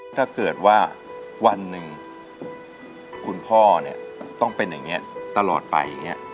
ถ้าเกิดว่าวันหนึ่งคุณพ่อเนี่ยต้องเป็นอย่างนี้ตลอดไปอย่างนี้